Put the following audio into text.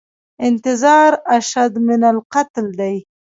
انتظار اشد من القتل دی